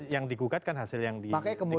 yang di gugat kan hasil yang dikeluarkan kpu